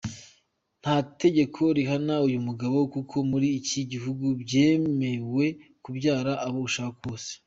Nta tegeko rihana uyu mugabo, kuko muri iki gihugu byemewe kubyara abo ushaka bose.